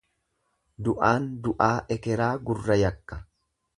Du'aan du'aa ekeraa gurra yakka.